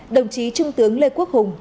đồng chí trung tướng lê quốc hùng